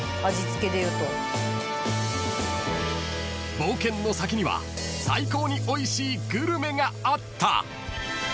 ［冒険の先には最高においしいグルメがあった］